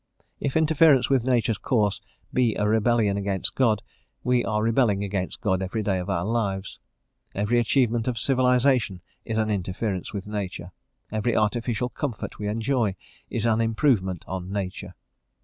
If interference with nature's course be a rebellion against God, we are rebelling against God every day of our lives. Every achievement of civilisation is an interference with nature. Every artificial comfort we enjoy is an improvement on nature.